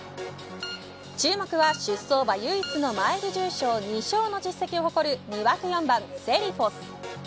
注目は、出走馬唯一のマイル重賞２勝の実績を誇る２枠４番のセリフォス。